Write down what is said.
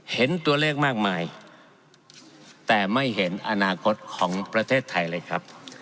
เห็นตัวเลขมากมายแต่ไม่เห็นอนาคตของประเทศไทยเลยครับ